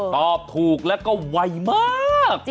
ตอบถูกแล้วก็ไวมาก